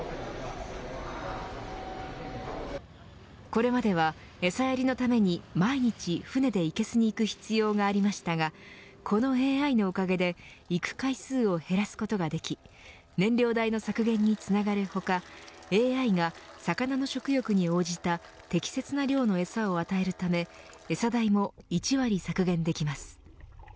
これまでは餌やりのために毎日船でいけすに行く必要がありましたがこのＡＩのおかげで行く回数を減らすことができ燃料代の削減につながる他ＡＩが魚の食欲に応じた適切な量の餌を与えるため餌代も１割削減できます。